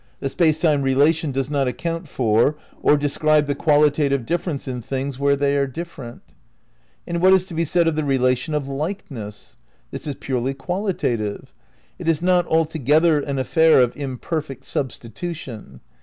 The space time relation does not account for or describe the qualitative difference in things where they are different. And what is to be said of the relation of '' likeness ''? This is purely qualitative. It is not altogether an affair of imperfect substitution.